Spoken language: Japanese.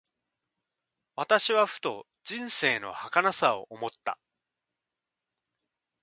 私はふと、人生の儚さを思った。